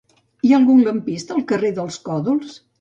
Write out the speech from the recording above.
Hi ha algun lampista al carrer dels Còdols?